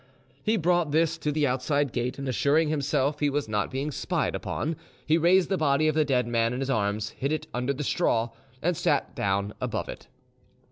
He brought this to the outside gate, and assuring himself he was not being spied upon, he raised the body of the dead man in his arms, hid it under the straw, and sat down above it.